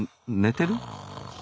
寝てる？